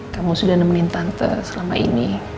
kamu sudah nemenin tante selama ini